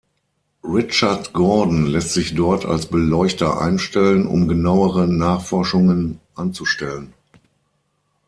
Richard Gordon lässt sich dort als Beleuchter einstellen, um genauere Nachforschungen anzustellen.